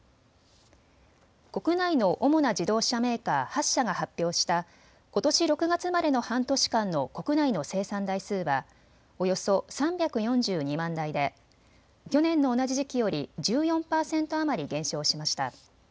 国内の主な自動車メーカー８社が発表したことし６月までの半年間の国内の生産台数はおよそ３４２万台で去年の同じ時期より１４％余り減少しました。